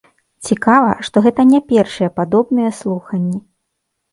Цікава, што гэта не першыя падобныя слуханні.